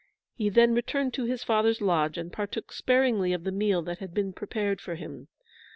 He then returned to his father's lodge, and partook sparingly of the meal that had been prepared for him.